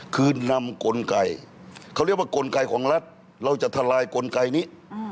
คือนำกลไกเขาเรียกว่ากลไกของรัฐเราจะทลายกลไกนี้